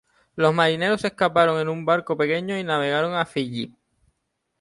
Los marineros se escaparon en un barco pequeño y navegaron a Fiyi.